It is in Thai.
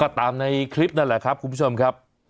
ก็ตามในคลิปนั่นแหละครับคุณผู้ชมครับ